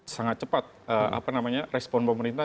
sangat cepat respon pemerintah